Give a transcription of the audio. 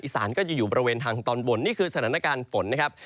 สานก็จะอยู่บริเวณทางตอนบนนี่คือสถานการณ์ฝนนะครับ